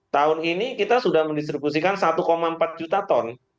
tahun ini kita sudah mendistribusikan satu empat juta ton